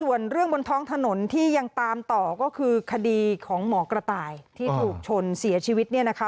ส่วนเรื่องบนท้องถนนที่ยังตามต่อก็คือคดีของหมอกระต่ายที่ถูกชนเสียชีวิตเนี่ยนะคะ